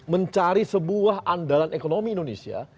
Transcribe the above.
mencari sebuah andalan ekonomi indonesia